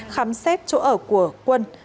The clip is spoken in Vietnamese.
khám xét chỗ ở của quân